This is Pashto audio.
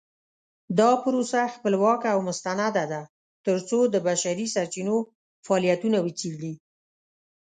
دا پروسه خپلواکه او مستنده ده ترڅو د بشري سرچینو فعالیتونه وڅیړي.